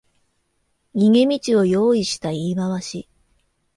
逃げ道を用意した言い回し